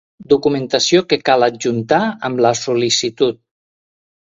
Documentació que cal adjuntar amb la sol·licitud.